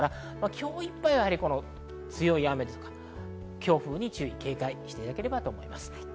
今日いっぱいは強い雨、強風に注意・警戒をしていただければと思います。